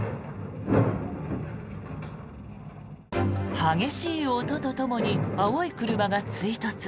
激しい音とともに青い車が追突。